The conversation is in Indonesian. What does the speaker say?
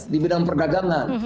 di bidang perdagangan